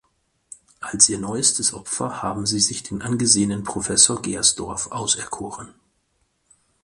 Als ihr neuestes Opfer haben sie sich den angesehenen Professor Gehrsdorf auserkoren.